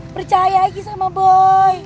percaya aja sama boy